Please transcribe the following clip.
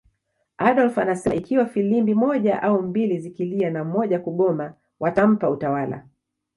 Adolf anasema ikiwa filimbi moja au mbili zikilia na moja kugoma watampa utawala